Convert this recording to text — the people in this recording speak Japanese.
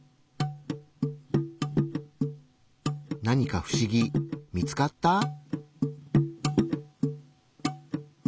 何か不思議見つかった？